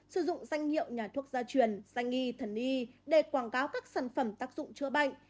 sử dụng danh hiệu nhà thuốc gia truyền danh y thần y để quảng cáo các sản phẩm tác dụng chữa bệnh